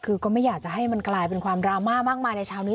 คือก็ไม่อยากจะให้มันกลายเป็นความดราม่ามากมายในเช้านี้